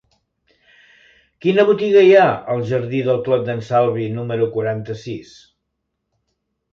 Quina botiga hi ha al jardí del Clot d'en Salvi número quaranta-sis?